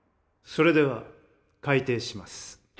それでは開廷します。